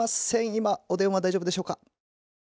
今お電話大丈夫でしょうか？